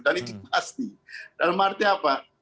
dan itu pasti dalam arti apa